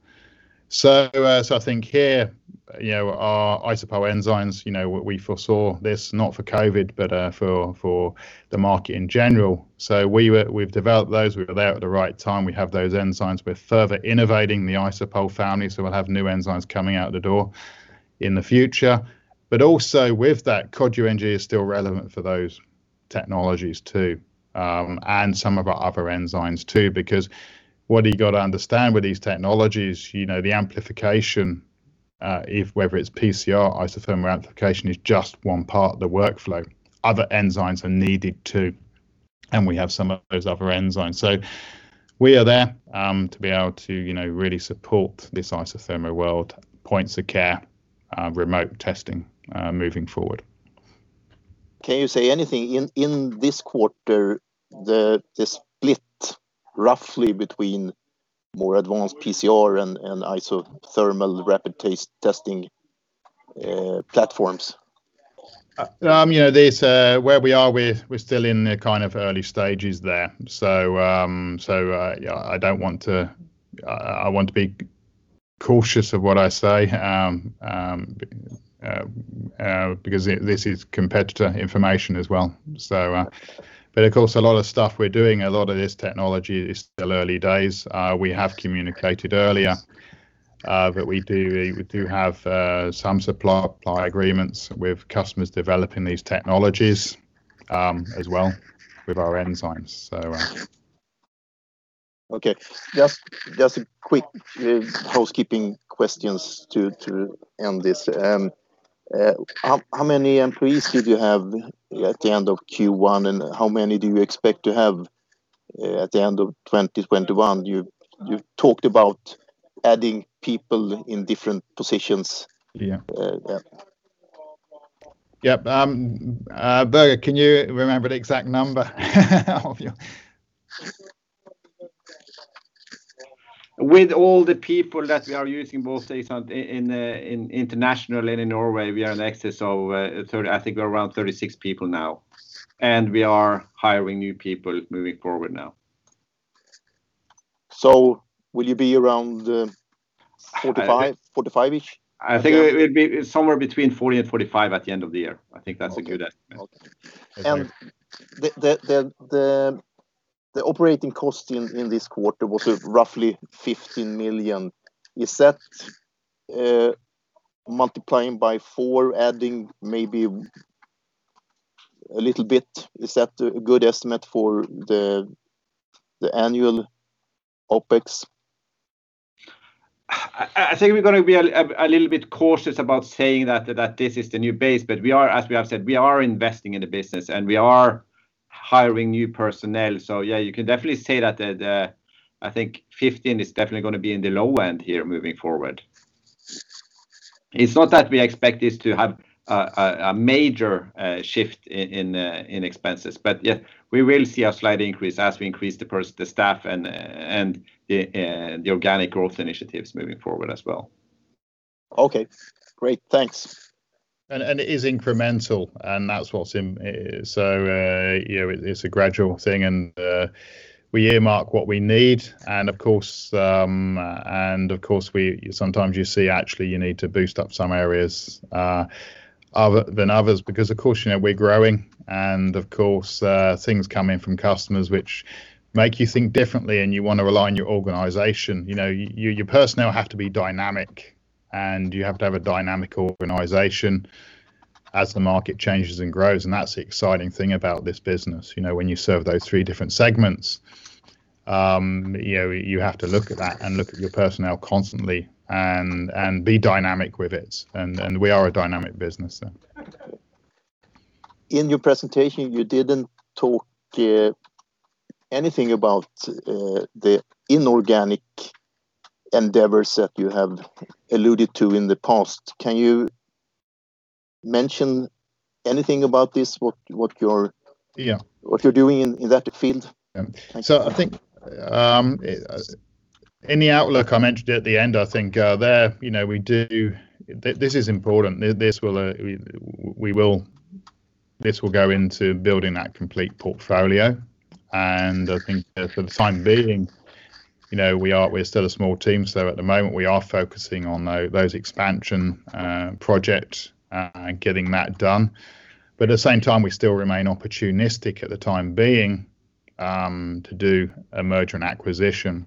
I think here, our ISOPOL enzymes, we foresaw this not for COVID, but for the market in general. We've developed those. We were there at the right time. We have those enzymes. We're further innovating the ISOPOL family, we'll have new enzymes coming out the door in the future. Also with that, Cod UNG is still relevant for those technologies too, and some of our other enzymes too, because what you got to understand with these technologies, the amplification, whether it's PCR, isothermal amplification, is just one part of the workflow. Other enzymes are needed too, we have some of those other enzymes. We are there to be able to really support this isothermal world points of care remote testing moving forward. Can you say anything in this quarter, the split roughly between more advanced PCR and isothermal rapid testing platforms? Where we are, we're still in the kind of early stages there. I want to be cautious of what I say because this is competitor information as well. Of course, a lot of stuff we're doing, a lot of this technology is still early days. We have communicated earlier that we do have some supply agreements with customers developing these technologies as well with our enzymes. Okay. Just quick housekeeping questions to end this. How many employees did you have at the end of Q1, and how many do you expect to have at the end of 2021? You talked about adding people in different positions. Yeah. Yep. Børge, can you remember the exact number of your- With all the people that we are using both internationally and in Norway, we are in excess of 30. I think we're around 36 people now. We are hiring new people moving forward now. Will you be around 45? I think it will be somewhere between 40 and 45 at the end of the year. I think that's a good estimate. Okay. The operating cost in this quarter was roughly 15 million. Is that multiplying by four, adding maybe a little bit? Is that a good estimate for the annual OpEx? I think we're going to be a little bit cautious about saying that this is the new base. As we have said, we are investing in the business, and we are hiring new personnel. Yeah, you can definitely say that. I think 15 is definitely going to be in the low end here moving forward. It's not that we expect this to have a major shift in expenses, but we will see a slight increase as we increase the staff and the organic growth initiatives moving forward as well. Okay, great. Thanks. It is incremental, and that's what's in. It's a gradual thing, and we earmark what we need, and of course, sometimes you see, actually, you need to boost up some areas other than others because, of course, we're growing, and of course, things come in from customers which make you think differently, and you want to realign your organization. Your personnel have to be dynamic, and you have to have a dynamic organization as the market changes and grows. That's the exciting thing about this business. When you serve those three different segments, you have to look at that and look at your personnel constantly and be dynamic with it. We are a dynamic business. In your presentation, you didn't talk anything about the inorganic endeavors that you have alluded to in the past. Can you mention anything about this? Yeah What you're doing in that field? I think in the outlook I mentioned at the end, I think there we do. This is important. This will go into building that complete portfolio. I think for the time being we're still a small team. At the moment, we are focusing on those expansion projects and getting that done. At the same time, we still remain opportunistic at the time being to do a merger and acquisition.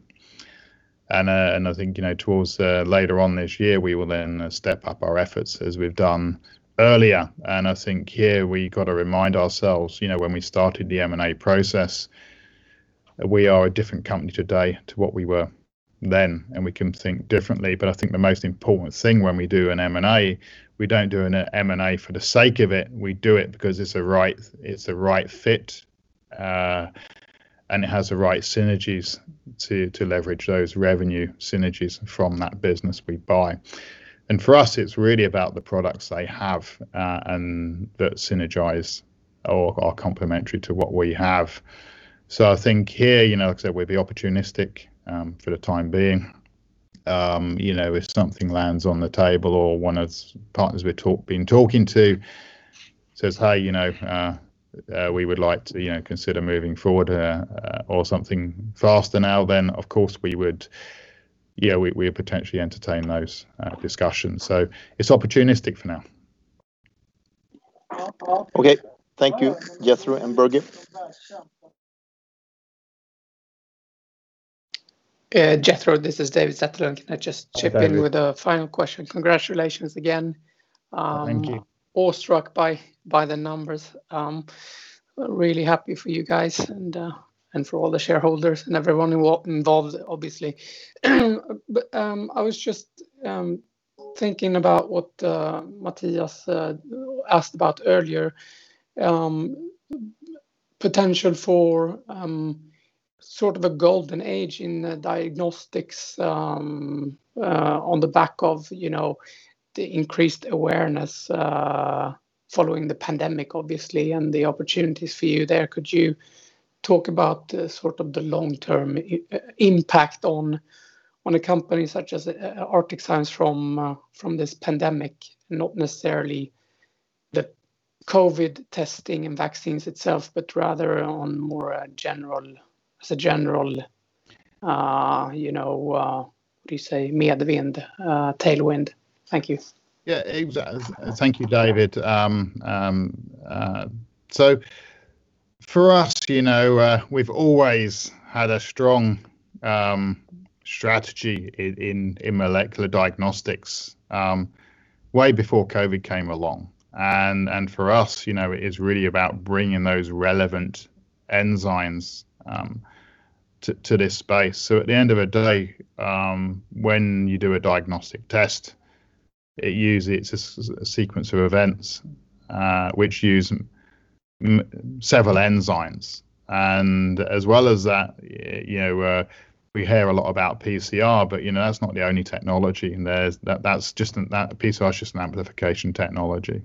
I think towards later on this year, we will then step up our efforts as we've done earlier. I think here we got to remind ourselves when we started the M&A process, we are a different company today to what we were then, and we can think differently. I think the most important thing when we do an M&A, we don't do an M&A for the sake of it. We do it because it's a right fit. It has the right synergies to leverage those revenue synergies from that business we buy. For us, it's really about the products they have, and that synergize or are complementary to what we have. I think here, like I said, we'll be opportunistic for the time being. If something lands on the table or one of the partners we've been talking to says, "Hey, we would like to consider moving forward or something faster now," of course we would potentially entertain those discussions. It's opportunistic for now. Okay. Thank you, Jethro and Børge. Jethro, this is David Zetterlund. Can I just chip in with a final question? Congratulations again. Thank you. Awestruck by the numbers. Really happy for you guys and for all the shareholders and everyone involved, obviously. I was just thinking about what Mattias asked about earlier. Potential for sort of a golden age in diagnostics on the back of the increased awareness following the pandemic, obviously, and the opportunities for you there. Could you talk about sort of the long-term impact on a company such as ArcticZymes from this pandemic? Not necessarily the COVID testing and vaccines itself, but rather on more as a general, what do you say, medvind, tailwind. Thank you. Yeah. Thank you, David. For us, we've always had a strong strategy in molecular diagnostics, way before COVID came along. For us, it is really about bringing those relevant enzymes to this space. At the end of the day, when you do a diagnostic test, it's a sequence of events which use several enzymes. As well as that, we hear a lot about PCR, but that's not the only technology in there. PCR is just an amplification technology.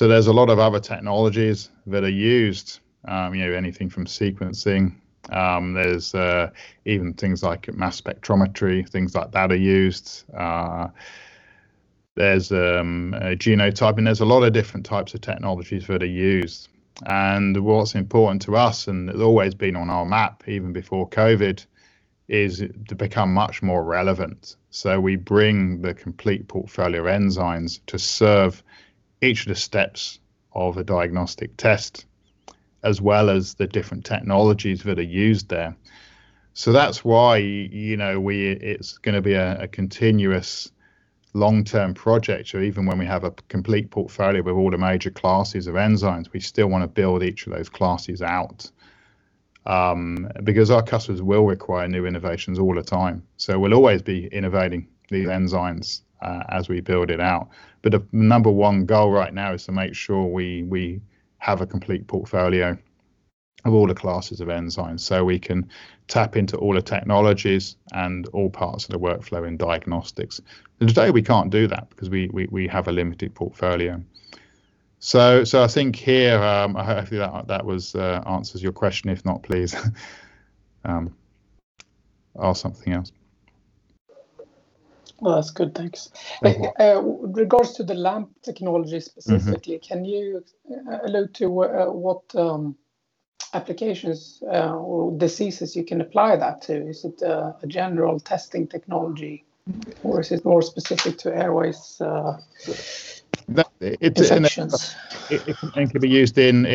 There's a lot of other technologies that are used. Anything from sequencing, there's even things like mass spectrometry, things like that are used. There's genotyping. There's a lot of different types of technologies that are used. What's important to us, and it's always been on our map, even before COVID, is to become much more relevant. We bring the complete portfolio of enzymes to serve each of the steps of a diagnostic test, as well as the different technologies that are used there. That's why it's going to be a continuous long-term project. Even when we have a complete portfolio with all the major classes of enzymes, we still want to build each of those classes out, because our customers will require new innovations all the time. We'll always be innovating these enzymes as we build it out. The number one goal right now is to make sure we have a complete portfolio of all the classes of enzymes so we can tap into all the technologies and all parts of the workflow in diagnostics. Today, we can't do that because we have a limited portfolio. I think here, I hope that answers your question. If not, please ask something else. Well, that's good. Thanks. With regards to the LAMP technology specifically. Can you allude to what applications or diseases you can apply that to? Is it a general testing technology or is it more specific to airways detections? It can be used in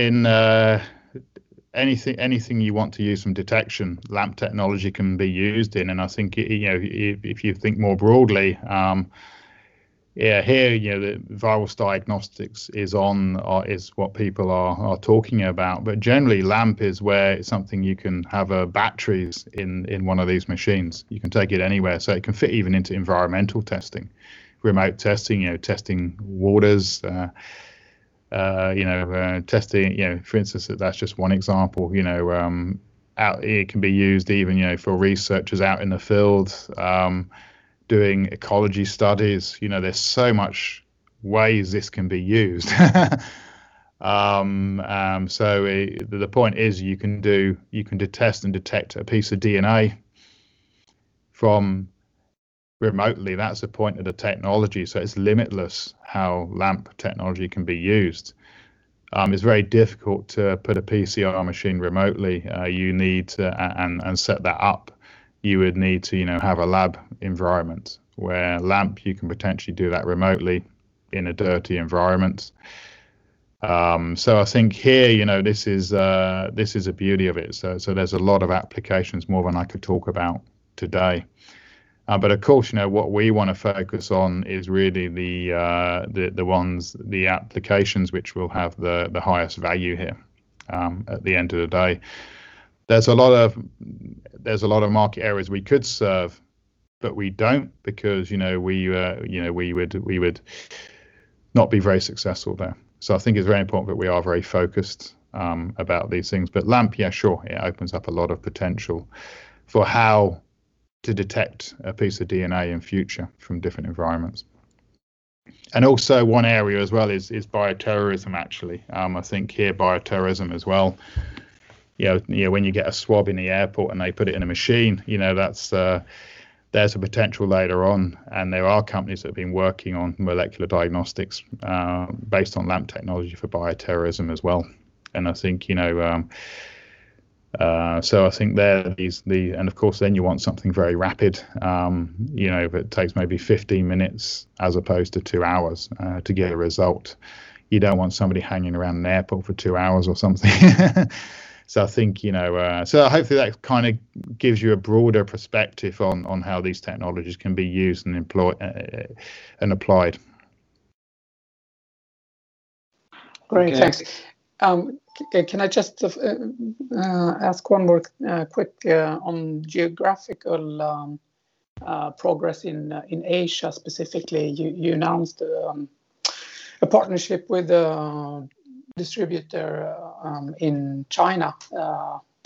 anything you want to use from detection, LAMP technology can be used in. I think if you think more broadly, here the virus diagnostics is what people are talking about. Generally, LAMP is where something you can have batteries in one of these machines. You can take it anywhere. It can fit even into environmental testing, remote testing waters. For instance, that's just one example. It can be used even for researchers out in the field doing ecology studies. There's so much ways this can be used. The point is, you can test and detect a piece of DNA from remotely. That's the point of the technology. It's limitless how LAMP technology can be used. It's very difficult to put a PCR machine remotely, and set that up. You would need to have a lab environment, where LAMP, you can potentially do that remotely in a dirty environment. I think here, this is the beauty of it. There's a lot of applications, more than I could talk about today. Of course, what we want to focus on is really the applications which will have the highest value here at the end of the day. There's a lot of market areas we could serve, but we don't because we would not be very successful there. I think it's very important that we are very focused about these things. LAMP, yeah, sure, it opens up a lot of potential for how to detect a piece of DNA in future from different environments. Also one area as well is bioterrorism, actually. I think here, bioterrorism as well. When you get a swab in the airport and they put it in a machine, there's a potential later on. There are companies that have been working on molecular diagnostics based on LAMP technology for bioterrorism as well. Of course, then you want something very rapid. If it takes maybe 15 minutes as opposed to two hours to get a result, you don't want somebody hanging around an airport for two hours or something. Hopefully that gives you a broader perspective on how these technologies can be used and applied. Great. Thanks. Can I just ask one more quick on geographical progress in Asia specifically? You announced a partnership with a distributor in China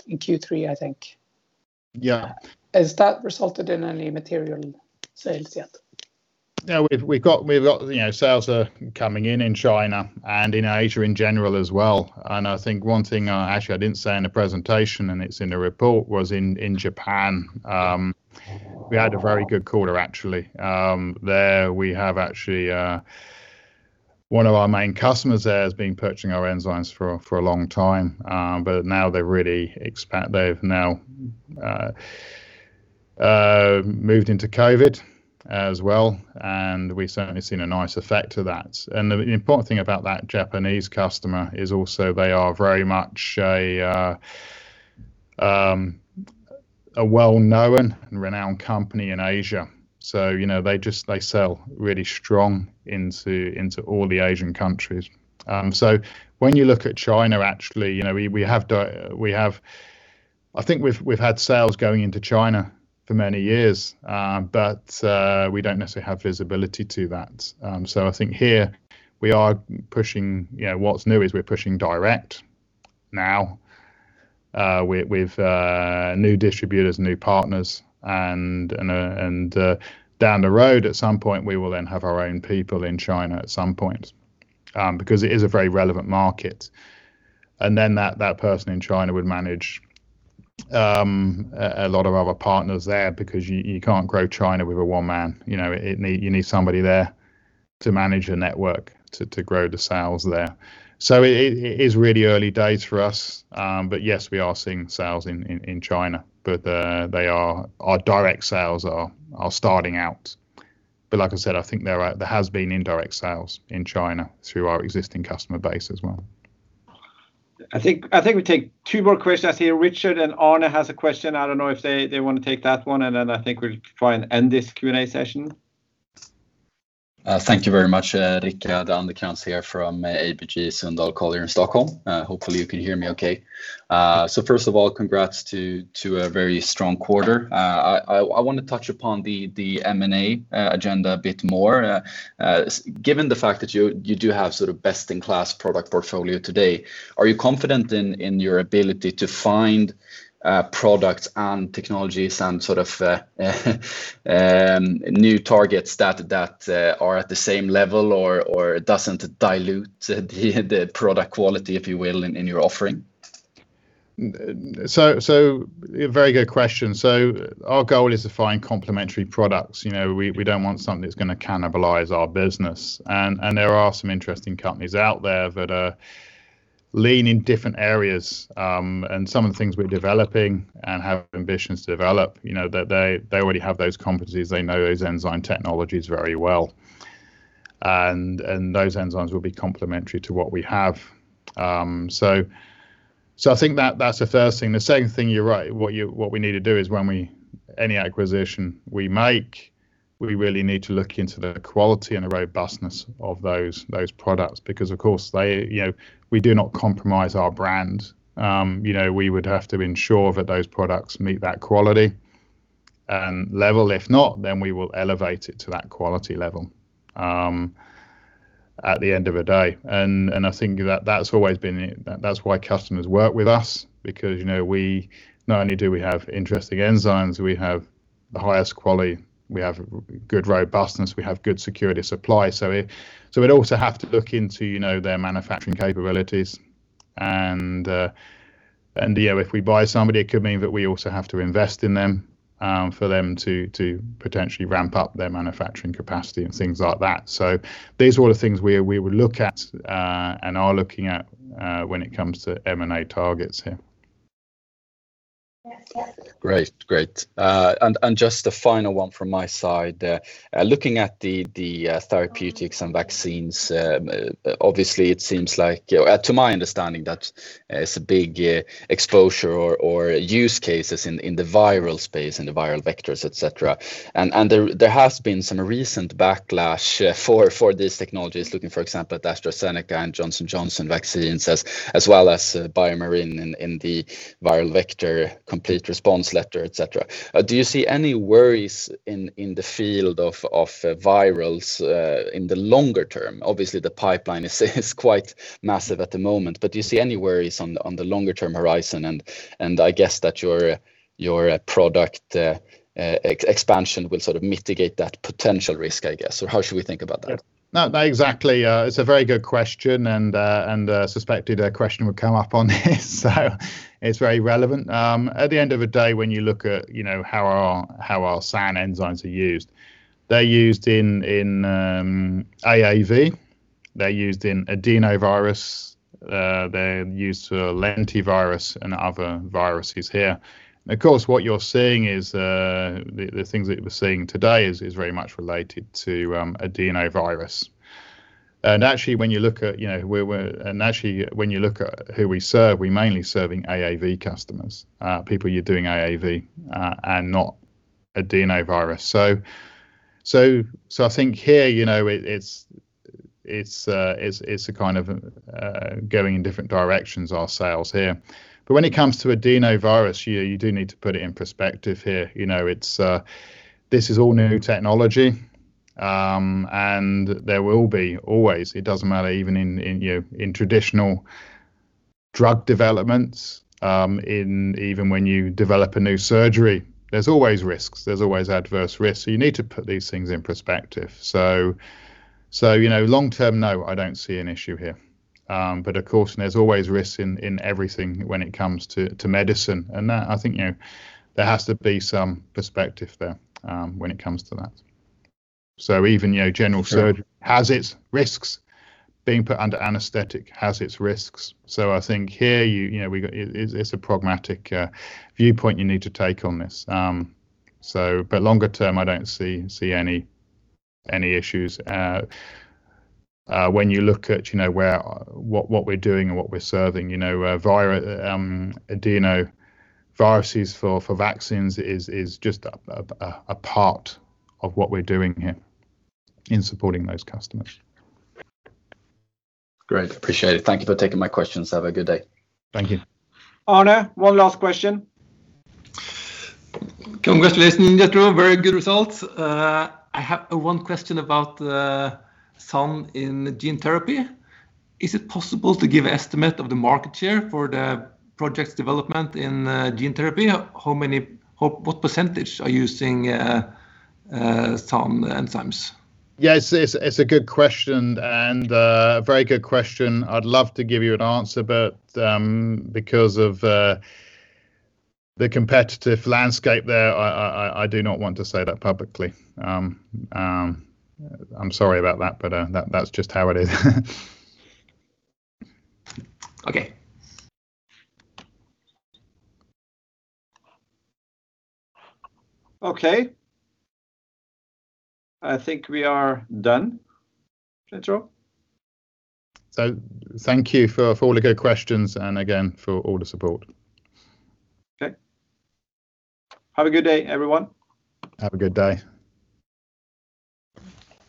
in Q3, I think. Yeah. Has that resulted in any material sales yet? Yeah. We've got sales are coming in China and in Asia in general as well. I think one thing actually I didn't say in the presentation, and it's in the report, was in Japan. We had a very good quarter, actually. There we have actually one of our main customers there has been purchasing our enzymes for a long time. Now they've now moved into COVID as well, and we've certainly seen a nice effect of that. The important thing about that Japanese customer is also they are very much a well-known and renowned company in Asia. They sell really strong into all the Asian countries. When you look at China, actually, I think we've had sales going into China for many years. We don't necessarily have visibility to that. I think here we are pushing what's new is we're pushing direct now with new distributors, new partners, and down the road, at some point, we will then have our own people in China at some point because it is a very relevant market. That person in China would manage a lot of other partners there because you can't grow China with one man. You need somebody there to manage a network to grow the sales there. It is really early days for us. Yes, we are seeing sales in China. Our direct sales are starting out. Like I said, I think there has been indirect sales in China through our existing customer base as well. I think we take two more questions here. Richard and Arne has a question. I don't know if they want to take that one, and then I think we'll try and end this Q&A session. Thank you very much, Rick. Dan here from ABG Sundal Collier in Stockholm. Hopefully you can hear me okay. First of all, congrats to a very strong quarter. I want to touch upon the M&A agenda a bit more. Given the fact that you do have best-in-class product portfolio today, are you confident in your ability to find products and technologies and sort of new targets that are at the same level or doesn't dilute the product quality, if you will, in your offering? Very good question. Our goal is to find complementary products. We don't want something that's going to cannibalize our business. There are some interesting companies out there that lean in different areas. Some of the things we're developing and have ambitions to develop, they already have those competencies. They know those enzyme technologies very well. Those enzymes will be complementary to what we have. I think that's the first thing. The second thing, you're right. What we need to do is any acquisition we make, we really need to look into the quality and the robustness of those products because, of course, we do not compromise our brand. We would have to ensure that those products meet that quality and level. If not, we will elevate it to that quality level at the end of the day. I think that's why customers work with us because not only do we have interesting enzymes, we have the highest quality, we have good robustness, we have good security supply. We'd also have to look into their manufacturing capabilities and if we buy somebody, it could mean that we also have to invest in them for them to potentially ramp up their manufacturing capacity and things like that. These are all the things we would look at and are looking at when it comes to M&A targets here. Great. Just a final one from my side. Looking at the therapeutics and vaccines, obviously it seems like, to my understanding, that it's a big exposure or use cases in the viral space, in the viral vectors, et cetera. There has been some recent backlash for these technologies, looking, for example, at AstraZeneca and Johnson & Johnson vaccines, as well as BioMarin in the viral vector Complete Response Letter, et cetera. Do you see any worries in the field of virals in the longer term? Obviously, the pipeline is quite massive at the moment, but do you see any worries on the longer term horizon? I guess that your product expansion will sort of mitigate that potential risk, I guess. How should we think about that? Not exactly. It's a very good question and suspected that question would come up on this. It's very relevant. At the end of the day, when you look at how our SAN enzymes are used, they're used in AAV, they're used in adenovirus, they're used for lentivirus and other viruses here. Of course, what you're seeing is the things that we're seeing today is very much related to adenovirus. Actually, when you look at who we serve, we're mainly serving AAV customers, people who are doing AAV and not adenovirus. I think here it's kind of going in different directions, our sales here. When it comes to adenovirus, you do need to put it in perspective here. This is all new technology and there will be always, it doesn't matter even in traditional drug developments, even when you develop a new surgery, there's always risks. There's always adverse risks. You need to put these things in perspective. Long term, no, I don't see an issue here. Of course, there's always risks in everything when it comes to medicine. That I think there has to be some perspective there when it comes to that. Even general surgery has its risks. Being put under anesthetic has its risks. I think here it's a pragmatic viewpoint you need to take on this. Longer term, I don't see any issues. When you look at what we're doing and what we're serving, adenoviruses for vaccines is just a part of what we're doing here in supporting those customers. Great. Appreciate it. Thank you for taking my questions. Have a good day. Thank you. Arne, one last question. Congratulations, Jethro. Very good results. I have one question about the SAN in gene therapy. Is it possible to give an estimate of the market share for the project's development in gene therapy? What percentage are using SAN enzymes? Yes, it's a good question and a very good question. I'd love to give you an answer, but because of the competitive landscape there, I do not want to say that publicly. I'm sorry about that, but that's just how it is. Okay. Okay. I think we are done, Jethro. Thank you for all the good questions and again for all the support. Okay. Have a good day, everyone. Have a good day.